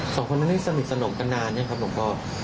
สองคนนั้นสนิทสนมกันนานใช่ไหมครับหลวงพ่อ